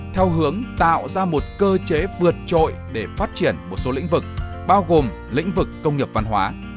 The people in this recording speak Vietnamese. theo hướng tạo ra một cơ chế vượt trội để phát triển một số lĩnh vực bao gồm lĩnh vực công nghiệp văn hóa